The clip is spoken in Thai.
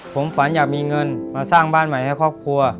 ผมฝันอยากมีเงินมาสร้างบ้านใหม่ให้ครอบครัว